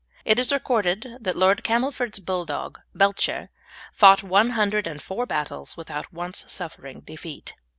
It is recorded that Lord Camelford's Bulldog Belcher fought one hundred and four battles without once suffering defeat.